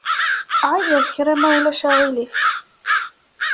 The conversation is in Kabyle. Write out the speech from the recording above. Ɛeyyeḍ kra ma ulac aɣilif.